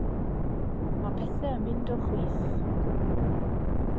Mae pethau yn mynd o chwith.